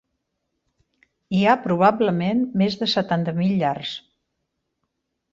Hi ha probablement més de setanta mil llars.